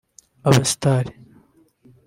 ‘Abasitari’